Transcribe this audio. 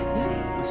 yuk masukin yuk